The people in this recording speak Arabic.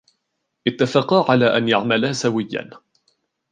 اتفقا على أن يعملا سويا.